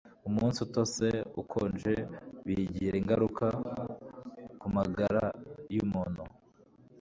Umunsi utose, ukonje bigira ingaruka kumagara yumuntu.